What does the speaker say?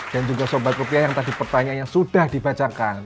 dan juga sobat rupiah yang tadi pertanyaannya sudah dibacakan